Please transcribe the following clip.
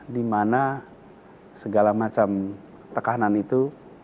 dimana segala macam tekanan itu